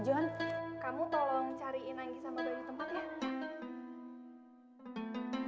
john kamu tolong cariin lagi sama banyak tempat ya